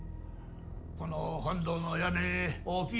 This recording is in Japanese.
この本堂の屋根大きいでしょう。